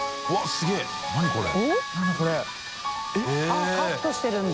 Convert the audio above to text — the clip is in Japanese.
あっカットしてるんだ。